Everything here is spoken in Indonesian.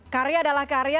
karya adalah karya